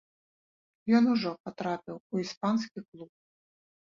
Ён ужо патрапіў у іспанскі клуб.